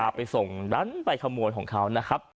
ไปส่งดันไปขโมยของเขานะครับ